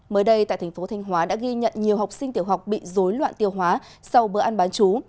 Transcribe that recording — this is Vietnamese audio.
mới đây tại thành phố thanh hóa đã ghi nhận nhiều học sinh tiểu học bị dối loạn tiêu hóa sau bữa ăn bán chú